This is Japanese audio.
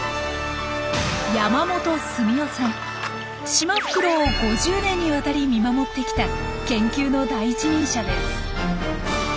シマフクロウを５０年にわたり見守ってきた研究の第一人者です。